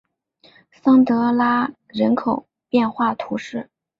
桑德拉人口变化图示